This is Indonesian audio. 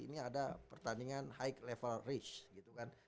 ini ada pertandingan high level rich gitu kan